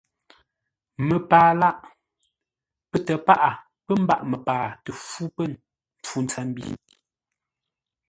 Məpaa lâʼ. Pətə́ paghʼə pə́ mbâʼ məpaa tə fú pə̂ mpfu ntsəmbi.